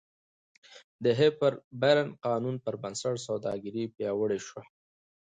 د هیپبرن قانون پربنسټ سوداګري پیاوړې شوه.